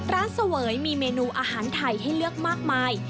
เสวยมีเมนูอาหารไทยให้เลือกมากมาย